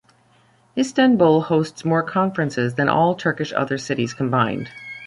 Istanbul hosts more conferences than all Turkish other cities combined.